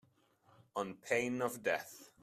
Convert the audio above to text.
On pain of death.